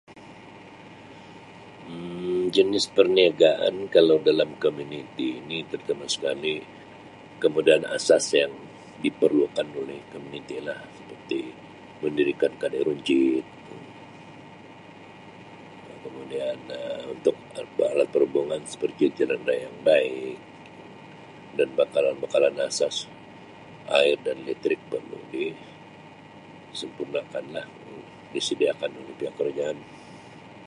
Um Jenis perniagaan kalau dalam komuniti ini terutama sekali kemudahan asas yang diperlukan oleh komuniti lah seperti mendirikan kedai runcit kemudian untuk perhubungan seperti jalan raya yang baik dan bekalan-bekalan asas air dan litrik perlu disempurnakan, disediakan oleh pihak kerajaan.